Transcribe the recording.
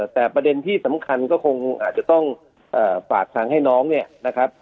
แต่ประเด็นที่สำคัญก็คงอาจจะต้องฝากทางให้น้องเนี่ยนะครับ